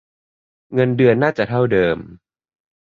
เงินเดือนน่าจะเท่าเดิม.